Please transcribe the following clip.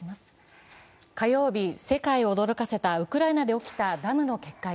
火曜日、世界を驚かせたウクライナで起きたダムの決壊。